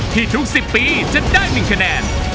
ทุก๑๐ปีจะได้๑คะแนน